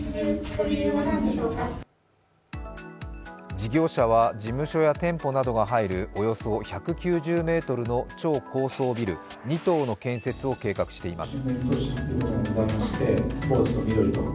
事業者は、事務所や店舗などが入るおよそ１９０ｍの超高層ビル２棟の建設を計画しています。